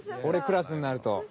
俺クラスになると。